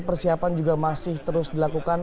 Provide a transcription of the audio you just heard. persiapan juga masih terus dilakukan